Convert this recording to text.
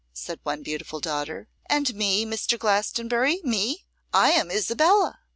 said one beautiful daughter. 'And me, Mr. Glastonbury, me? I am Isabella.